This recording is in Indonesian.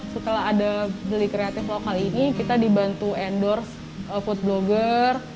setelah ada beli kreatif lokal ini kita dibantu endorse food blogger